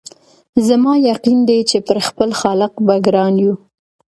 زما یقین دی چي پر خپل خالق به ګران یو